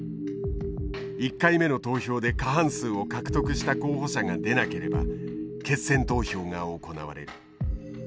１回目の投票で過半数を獲得した候補者が出なければ決選投票が行われる。